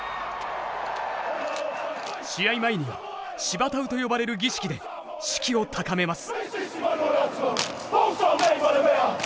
試合前にはシバタウと呼ばれる儀式で士気を高めます。